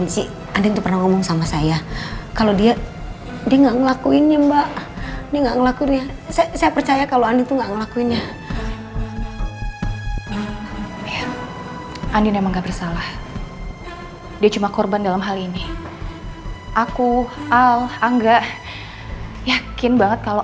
sampai jumpa di video selanjutnya